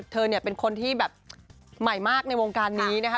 เธอเนี่ยเป็นคนที่แบบใหม่มากในวงการนี้นะคะ